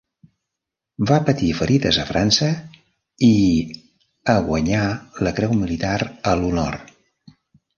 Va patir ferides a França i a guanyar la creu militar a l"honor.